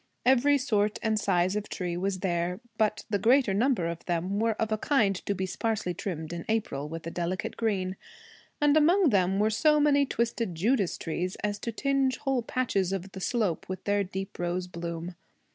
Every sort and size of tree was there, but the greater number of them were of a kind to be sparsely trimmed in April with a delicate green, and among them were so many twisted Judas trees as to tinge whole patches of the slope with their deep rose bloom.